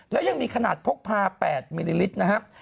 แล้วยังมีขนาดพกพา๘มิลลิตรนะฮะ